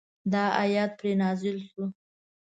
دا آیت پرې نازل شو.